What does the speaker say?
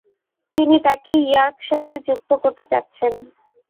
তিনি তাকে ইয়র্কশায়ারে যুক্ত করতে ইচ্ছে প্রকাশ করেন।